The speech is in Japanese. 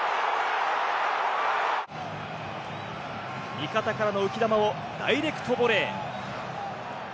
味方からの浮き球をダイレクトボレー。